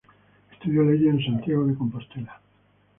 Estudió leyes en Santiago de Compostela.